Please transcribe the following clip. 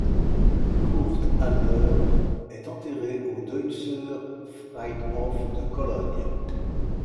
Kurt Alder est enterré au Deutzer Friedhof de Cologne.